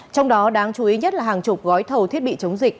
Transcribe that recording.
trong đó đáng chú ý nhất là hàng chục gói thầu thiết bị chống dịch